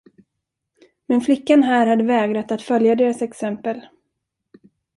Men flickan här hade vägrat att följa deras exempel.